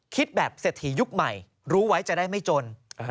คิดแบบเศรษฐียุคใหม่รู้ไว้จะได้ไม่จน